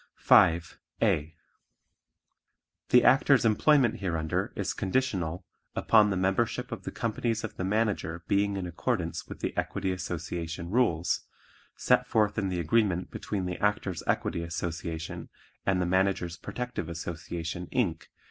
5. (a) The Actor's employment hereunder is conditional upon the membership of the companies of the Manager being in accordance with the Equity Association rules, set forth in the agreement between the Actors' Equity Association and the Managers' Protective Association, Inc.